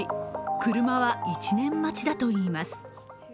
車は１年待ちだといいます。